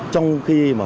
trong khi mà